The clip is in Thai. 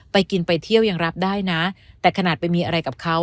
ไปกินไปเที่ยวยังรับได้นะแต่ขนาดไปมีอะไรกับเขา